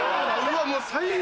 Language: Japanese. もう最悪。